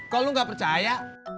kok lu gak percaya